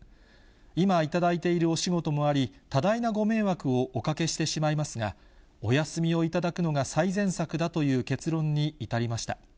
今、頂いているお仕事もあり、多大なご迷惑をおかけしてしまいますが、お休みを頂くのが最善策だという結論に至りました。